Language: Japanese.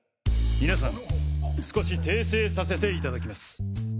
みなさん少し訂正させていただきます